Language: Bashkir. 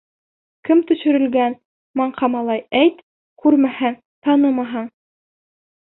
— Кем төшөрөлгән, маңҡа малай, әйт, күрмәһәң, танымаһаң...